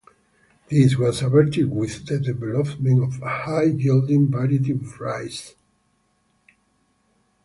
This was averted with the development of a high-yielding variety of rice.